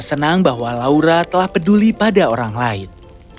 senang bahwa laura telah peduli pada orang lain